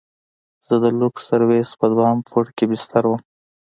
زه د لوکس سرويس په دويم پوړ کښې بستر وم.